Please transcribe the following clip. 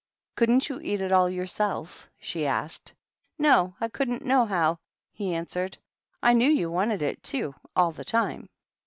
" Couldn't you eat it all yourself?" she asked. "No, I couldn't, nohow," he answered. "I knew you wanted it, too, all the time."